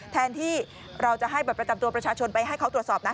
แทนที่เราจะให้บัตรประจำตัวประชาชนไปให้เขาตรวจสอบนะ